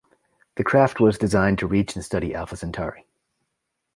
The craft was designed to reach and study Alpha Centauri.